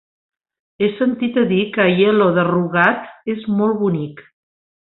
He sentit a dir que Aielo de Rugat és molt bonic.